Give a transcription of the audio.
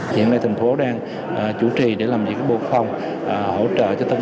hiện nay thành phố đang chủ trì để làm việc với bộ quốc phòng